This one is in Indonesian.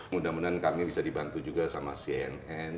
mudah mudahan kami bisa dibantu juga sama cnn